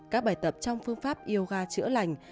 các bài tập trong phương pháp yoga chữa lành